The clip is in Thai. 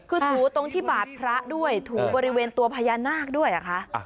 คือถูตรงที่บาดพระด้วยถูบริเวณตัวพญานาคด้วยเหรอคะ